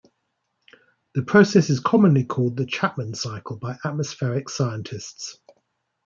The process is commonly called the Chapman cycle by atmospheric scientists.